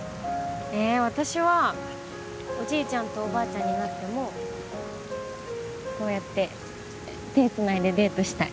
ええ私はおじいちゃんとおばあちゃんになってもこうやって手繋いでデートしたい。